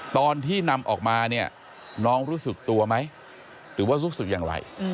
ตอนที่นำออกมาเนี่ยน้องรู้สึกตัวไหมหรือว่ารู้สึกอย่างไร